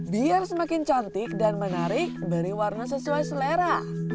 biar semakin cantik dan menarik beri warna sesuai selera